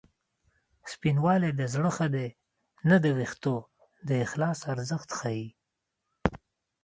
سپینوالی د زړه ښه دی نه د وېښتو د اخلاص ارزښت ښيي